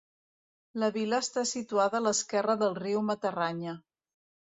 La vila està situada a l'esquerra del riu Matarranya.